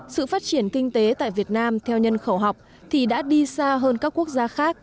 sự phát triển kinh tế tại việt nam theo nhân khẩu học thì đã đi xa hơn các quốc gia khác